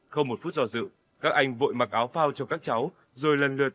không một phút do dự các anh vội mặc áo phao cho các cháu rồi lần lượt rìu vào bờ an toàn